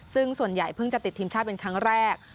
ซึ่งส่วนใหญ่เพิ่งจะติดทีมชาติเป็นครั้งแรก